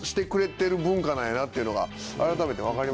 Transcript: なんやなっていうのが改めて分かりましたよね。